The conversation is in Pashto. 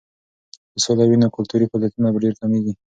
که سوله وي نو کلتوري فعالیتونه ډېر کیږي.